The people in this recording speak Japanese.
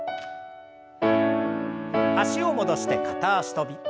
脚を戻して片脚跳び。